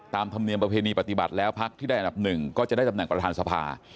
ธรรมเนียมประเพณีปฏิบัติแล้วพักที่ได้อันดับหนึ่งก็จะได้ตำแหน่งประธานสภา